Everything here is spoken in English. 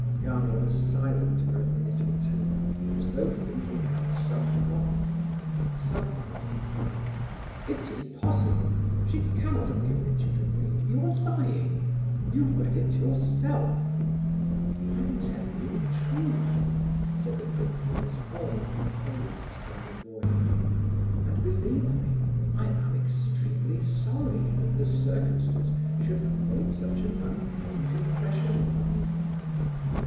Gania was silent for a minute or two, as though thinking out some problem. Suddenly he cried: "It's impossible, she cannot have given it to you to read! You are lying. You read it yourself!" "I am telling you the truth," said the prince in his former composed tone of voice; "and believe me, I am extremely sorry that the circumstance should have made such an unpleasant impression upon you!"